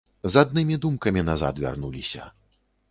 З аднымі думкамі назад вярнуліся.